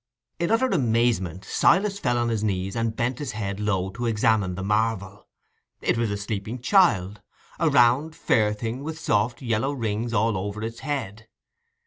In utter amazement, Silas fell on his knees and bent his head low to examine the marvel: it was a sleeping child—a round, fair thing, with soft yellow rings all over its head.